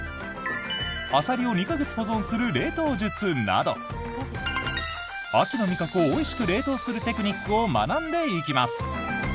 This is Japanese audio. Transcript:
アサリを２か月保存する冷凍術など秋の味覚をおいしく冷凍するテクニックを学んでいきます！